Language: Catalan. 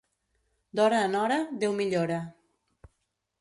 D'hora en hora, Déu millora.